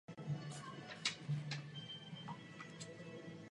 Správním městem okresu je Junction.